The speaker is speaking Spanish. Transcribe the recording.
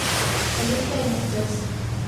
Olympia y Ms.